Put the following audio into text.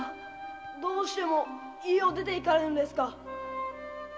〔どうしても家を出ていかれるのですか〕